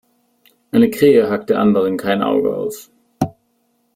Eine Krähe hackt der anderen kein Auge aus.